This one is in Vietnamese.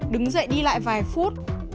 đứng dậy đi lại vài phút